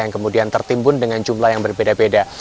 yang kemudian tertimbun dengan jumlah yang berbeda beda